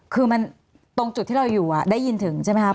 คือมันตรงจุดที่เราอยู่ได้ยินถึงใช่ไหมครับ